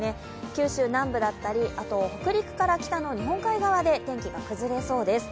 九州南部だったり北陸から北の日本海側で天気が崩れそうです。